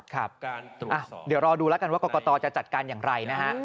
ครับเดี๋ยวรอดูแล้วกันว่ากรกตจะจัดการอย่างไรนะฮะ